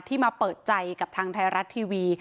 มาเปิดใจกับทางไทยรัฐทีวี